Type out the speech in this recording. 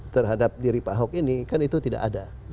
terhadap diri pak ahok ini kan itu tidak ada